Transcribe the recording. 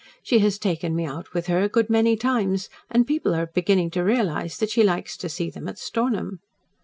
She has taken me out with her a good many times, and people are beginning to realise that she likes to see them at Stornham."